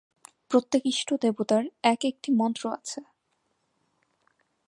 প্রত্যেক ইষ্টদেবতার এক-একটি মন্ত্র আছে।